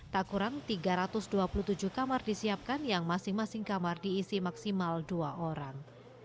tak kurang tiga ratus dua puluh tujuh kamar disiapkan yang masing masing kamar diisi maksimal dua orang